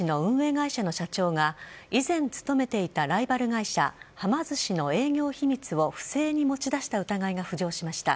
会社の社長が以前勤めていたライバル会社はま寿司の営業秘密を不正に持ち出した疑いが浮上しました。